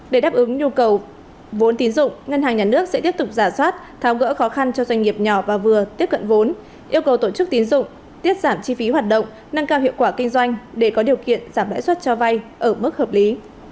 để đáp ứng nhu cầu vốn tín dụng ngân hàng nhà nước sẽ tiếp tục giả soát tháo gỡ khó khăn cho doanh nghiệp nhỏ và vừa tiếp cận vốn yêu cầu tổ chức tín dụng tiết giảm chi phí hoạt động nâng cao hiệu quả kinh doanh để có điều kiện giảm lãi suất cho vay ở mức hợp lý